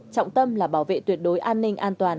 trọng tâm là bảo vệ tuyệt đối an ninh an toàn